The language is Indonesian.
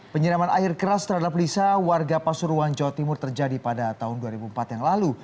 penyiraman air keras terhadap lisa warga pasuruan jawa timur terjadi pada tahun dua ribu empat yang lalu